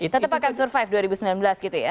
tetap akan survive dua ribu sembilan belas gitu ya